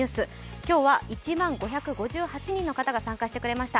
今日は１万５５８人の方が参加してくれました。